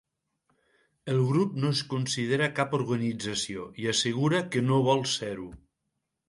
El grup no es considera cap organització i assegura que no vol ser-ho.